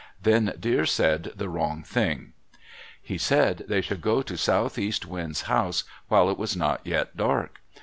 Then Deer said the wrong thing. He said they should go to Southeast Wind's house while it was not yet dark.